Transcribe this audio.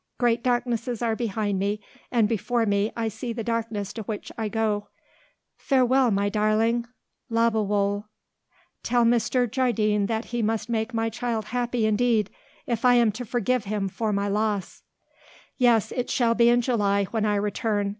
Great darknesses are behind me, and before me I see the darkness to which I go. "Farewell, my darling. Lebewohl. Tell Mr. Jardine that he must make my child happy indeed if I am to forgive him for my loss. "Yes; it shall be in July, when I return.